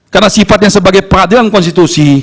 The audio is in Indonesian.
karena sifatnya sebagai peradilan konstitusi